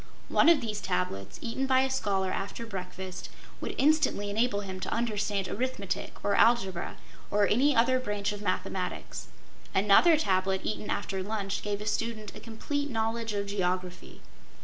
One of these tablets, eaten by a scholar after breakfast, would instantly enable him to understand arithmetic or algebra or any other branch of mathematics. Another tablet eaten after lunch gave a student a complete knowledge of geography.